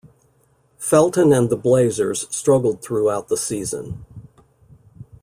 Felton and the Blazers struggled throughout the season.